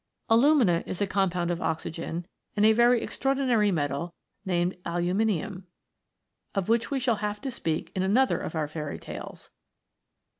Alumina is a compound of oxygen with a very extraordinary metal named aluminium, of which we shall have to speak in another of our fairy tales.